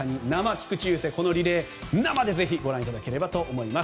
菊池雄星のこのリレー、生でぜひご覧いただければと思います。